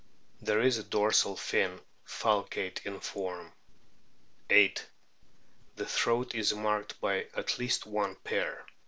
There is a dorsal fin, falcate in form. 8. The throat is marked by at least one pair